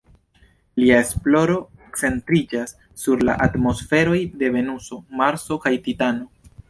Lia esploro centriĝas sur la atmosferoj de Venuso, Marso kaj Titano.